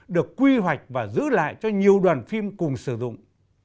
được quy hoạch và giữ lại cho nhiều đoàn phim cùng sử dụng